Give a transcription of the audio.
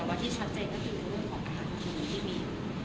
แต่ว่าที่ชัดเจนก็คือร่วมของอาหารผู้ที่มี